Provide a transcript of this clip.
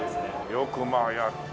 よくまあやった。